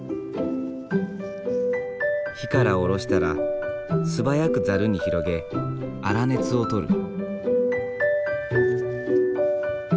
火から下ろしたら素早くザルに広げ粗熱を取る。